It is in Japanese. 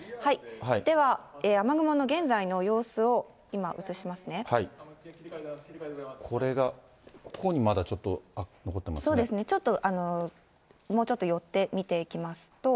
では、雨雲の現在の様子を、今、これが、ここにまだちょっとそうですね、ちょっと、もうちょっと寄って見ていきますと。